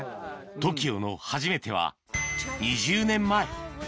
ＴＯＫＩＯの初めては２０年前